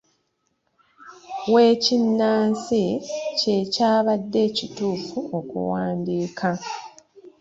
W’ekinnansi' kye kyandibadde ekituufu okuwandiika.